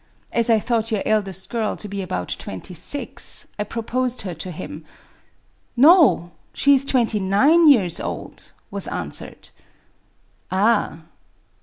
As I thought your eldest girl to be about twenty six, I proposed her to him. ..."" No, — she is twenty nine years old," was answered. ^ Ah